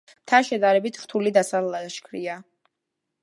მთა შედარებით რთული დასალაშქრია.